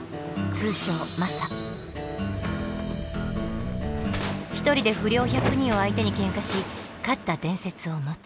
通称１人で不良１００人を相手にケンカし勝った伝説を持つ。